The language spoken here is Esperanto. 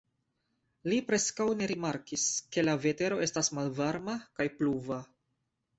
Li preskaŭ ne rimarkis, ke la vetero estas malvarma kaj pluva.